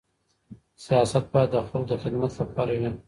سياست بايد د خلګو د خدمت لپاره وي.